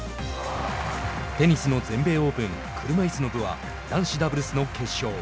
テニスの全米オープン車いすの部は男子ダブルスの決勝。